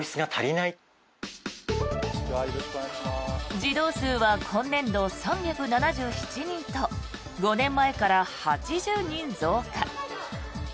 児童数は今年度３７７人と５年前から８０人増加。